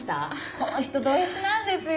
この人ドＳなんですよ。